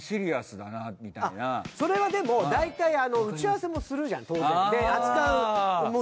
それはでもだいたい打ち合わせもするじゃん当然。で扱う